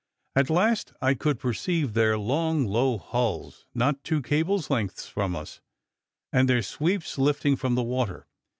At last I could perceive their long low hulls, not two cables' lengths from us, and their sweeps lifting from the water.